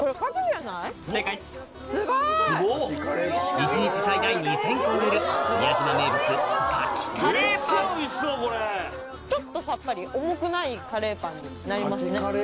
一日最大２０００個売れるちょっとサッパリ重くないカレーパンになりますね。